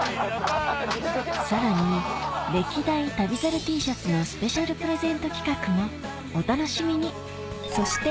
さらに歴代旅猿Ｔシャツのスペシャルプレゼント企画もお楽しみにそして